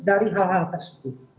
dari hal hal tersebut